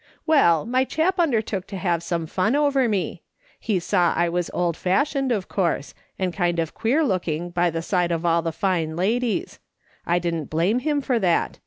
Well, my chap undertook to have some fun over me. He saw I was old fashioned, of course, and kind of queer looking by the side of all the fine ladies; I didn't blame him for that.